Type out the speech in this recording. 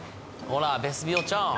ほらベスビオちゃうん？